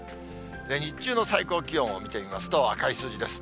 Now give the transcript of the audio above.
日中の最高気温を見てみますと、赤い数字です。